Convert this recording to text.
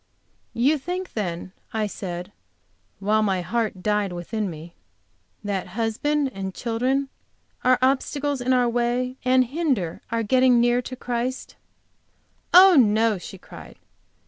"You think, then," I said, while my heart died within me, "that husband and children are obstacles in our way, and hinder our getting near to Christ." "Oh, no!" she cried.